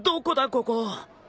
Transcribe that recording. ここ。